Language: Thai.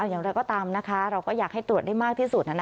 อย่างไรก็ตามนะคะเราก็อยากให้ตรวจได้มากที่สุด